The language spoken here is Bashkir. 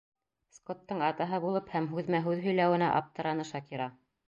Скоттың атаһы булып һәм һүҙмә-һүҙ һөйләүенә аптыраны Шакира.